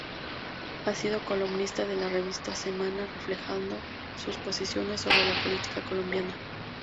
Ha sido columnista de la Revista Semana reflejando sus posiciones sobre la política colombiana.